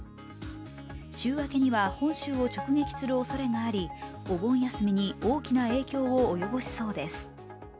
週明けには本州を直撃するおそれがあり大きな影響を及ぼしそうです。